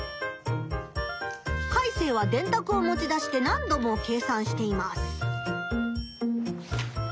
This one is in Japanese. カイセイはでんたくを持ち出して何度も計算しています。